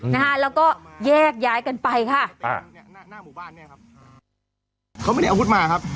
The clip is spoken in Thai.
นะฮะแล้วก็แยกย้ายกันไปค่ะอ่าเนี้ยหน้าหน้าหมู่บ้านเนี้ยครับเขาไม่ได้อาวุธมาครับ